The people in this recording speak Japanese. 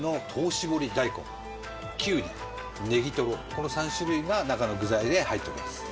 この３種類が中の具材で入っております。